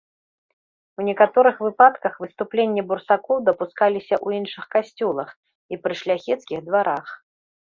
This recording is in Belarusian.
У некаторых выпадках выступленні бурсакоў дапускаліся ў іншых касцёлах і пры шляхецкіх дварах.